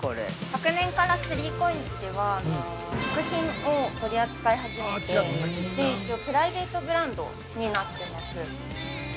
◆昨年から３ＣＯＩＮＳでは、食品を取り扱い始めてプライベートブランドになってます。